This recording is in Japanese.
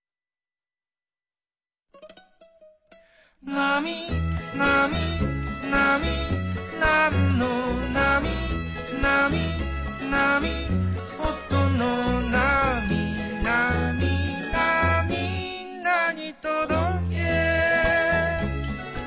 「なみなみなみなんのなみ」「なみなみなみおとのなみ」「なみなみなみんなにとどけ！」